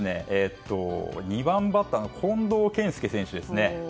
２番バッターの近藤健介選手ですね。